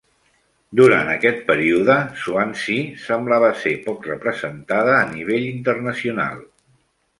Durant aquest període, Swansea semblava ser poc representada a nivell internacional.